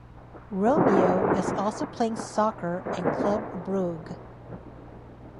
Romeo is also playing soccer in Club Brugge.